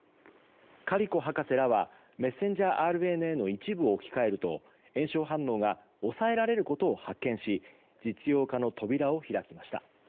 カリコ博士らはメッセンジャーＲＮＡの一部を置き換えると炎症反応が抑えられることを発見し実用化の扉を開きました。